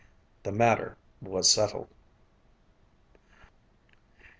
The matter was settled.